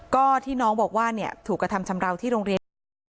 ก็ที่น้องบอกว่าถูกกระทำชำราวที่โรงเรียนนี้